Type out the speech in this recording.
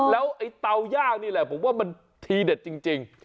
แล้วไอ้เตาย่างนี่แหละผมว่ามันทีเด็ดจริง